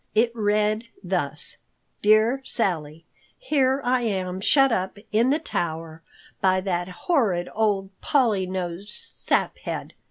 It read thus: Dear Sally:— Here I am shut up in the tower by that horrid old Polly nosed Saphead.